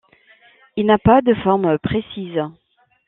Il n'a pas de forme précise.